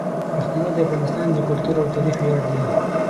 پښتانه د افغانستان د کلتور او تاریخ ویاړ دي.